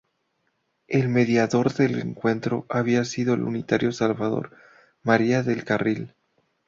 El mediador del encuentro había sido el unitario Salvador María del Carril.